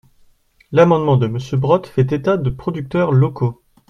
L’amendement de Monsieur Brottes fait état de producteurs locaux.